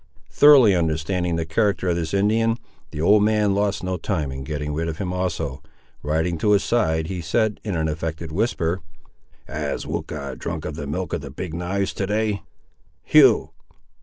Thoroughly understanding the character of this Indian, the old man lost no time in getting rid of him also. Riding to his side he said, in an affected whisper— "Has Weucha drunk of the milk of the Big knives, to day?" "Hugh!"